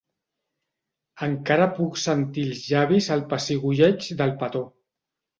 Encara puc sentir als llavis el pessigolleig del petó.